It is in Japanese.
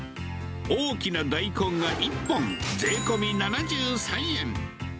大きな大根が１本税込み７３円。